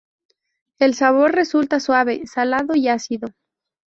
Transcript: El sabor resulta suave, salado y ácido.